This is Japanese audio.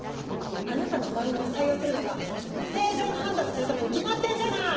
あなたの漫画を採用するのか正常な判断をするために決まってんじゃない！